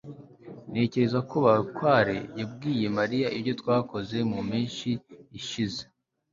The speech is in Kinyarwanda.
ntekereza ko bakware yabwiye mariya ibyo twakoze mu mpeshyi ishize